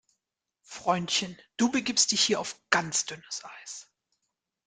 Freundchen, du begibst dich hier auf ganz dünnes Eis!